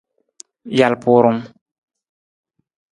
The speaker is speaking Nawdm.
Jalpurung.